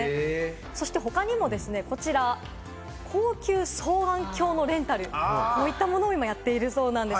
そして他にもこちら、高級双眼鏡のレンタル、こういったものを今やっているそうです。